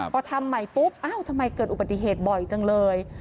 พอทำใหม่ปุ๊บอ้าวทำไมเกิดอุบัติเหตุบ่อยจังเลย